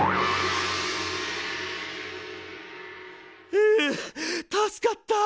ふぅたすかった。